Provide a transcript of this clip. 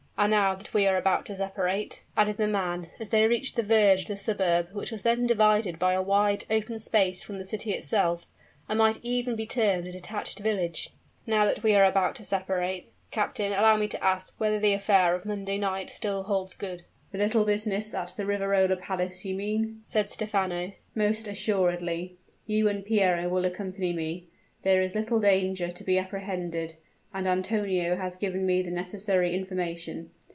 "And now that we are about to separate," added the man, as they reached the verge of the suburb, which was then divided by a wide, open space from the city itself, and might even be termed a detached village "now that we are about to separate, captain, allow me to ask whether the affair of Monday night still holds good?" "The little business at the Riverola Palace, you mean?" said Stephano. "Most assuredly! You and Piero will accompany me. There is little danger to be apprehended; and Antonio has given me the necessary information.